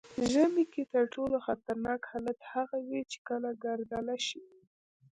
ژمي کې تر ټولو خطرناک حالت هغه وي چې کله ګردله شي.